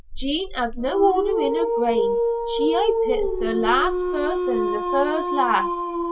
Jean has no order in her brain. She aye pits the last first an' the first last.